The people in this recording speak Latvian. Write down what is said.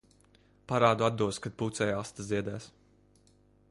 Parādu atdos, kad pūcei aste ziedēs.